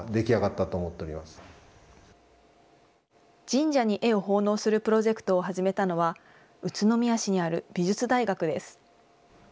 神社に絵を奉納するプロジェクトを始めたのは、宇都宮市にある美術大学です。